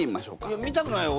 いや見たくないよ。